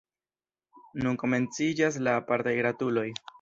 Nun komenciĝas la apartaj gratuloj.